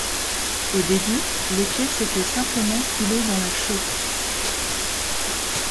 Au début, les pièces étaient simplement coulées dans la chaux.